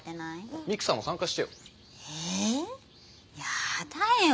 やだよ。